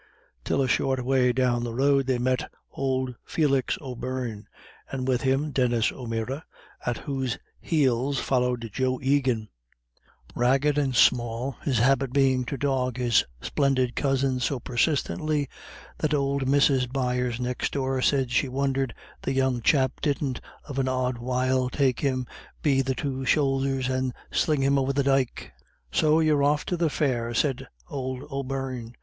Till a short way down the road they met old Felix O'Beirne, and with him Denis O'Meara, at whose heels followed Joe Egan, ragged and small, his habit being to dog his splendid cousin so persistently that old Mrs. Byers next door said she wondered "the young chap didn't of an odd while take him be the two shoulders and sling him over the dyke." "So you're off to the fair," said old O'Beirne.